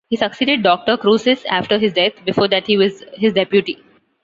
He succeeded Doctor Cruces after his death; before that he was his deputy.